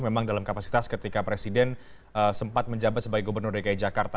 memang dalam kapasitas ketika presiden sempat menjabat sebagai gubernur dki jakarta